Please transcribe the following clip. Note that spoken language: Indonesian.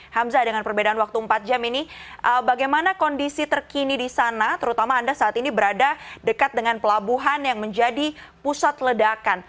hamzah dengan perbedaan waktu empat jam ini bagaimana kondisi terkini di sana terutama anda saat ini berada dekat dengan pelabuhan yang menjadi pusat ledakan